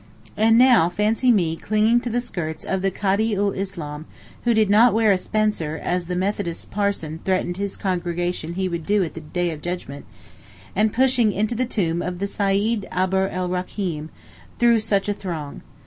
And now fancy me clinging to the skirts of the Cadi ul Islam (who did not wear a spencer, as the Methodist parson threatened his congregation he would do at the Day of Judgement) and pushing into the tomb of the Seyd Abd er Racheem, through such a throng.